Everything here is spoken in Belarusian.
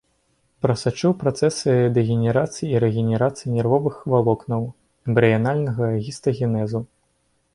Прасачыў працэсы дэгенерацыі і рэгенерацыі нервовых валокнаў, эмбрыянальнага гістагенезу.